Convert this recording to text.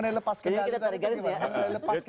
mengenai lepas kendali seperti apa ya